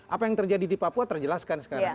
apa yang terjadi di papua terjelaskan sekarang